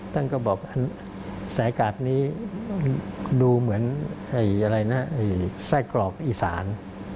ท่านก็บอกสายอากาศนี้ดูเหมือนไซ่กรอกอิสาน